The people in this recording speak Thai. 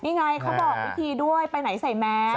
นี่ไงเขาบอกวิธีด้วยไปไหนใส่แมส